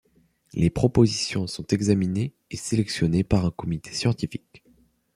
Les propositions sont examinées et sélectionnées par un comité scientifique.